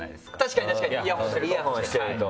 確かにイヤホンしてると。